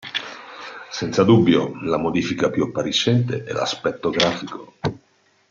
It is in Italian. Senza dubbio la modifica più appariscente è l'aspetto grafico.